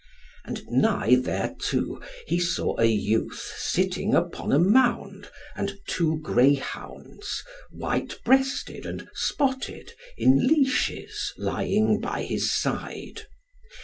And nigh thereto he saw a youth sitting upon a mound, and two greyhounds, white breasted, and spotted, in leashes, lying by his side.